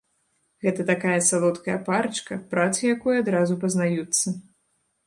Гэта такая салодкая парачка, працы якой адразу пазнаюцца.